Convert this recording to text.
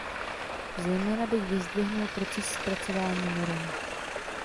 Zejména bych vyzdvihnul proces zpracování norem.